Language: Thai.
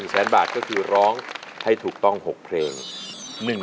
แสนบาทก็คือร้องให้ถูกต้อง๖เพลง